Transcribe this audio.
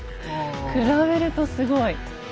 比べるとすごい。